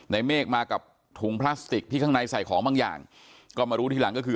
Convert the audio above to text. เมฆมากับถุงพลาสติกที่ข้างในใส่ของบางอย่างก็มารู้ทีหลังก็คือ